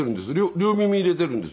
両耳入れているんです。